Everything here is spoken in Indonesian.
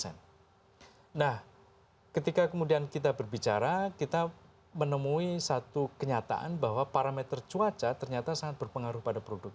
nah ketika kemudian kita berbicara kita menemui satu kenyataan bahwa parameter cuaca ternyata sangat berpengaruh pada produk